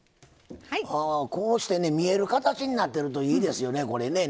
こうして見える形になっているのはいいですね。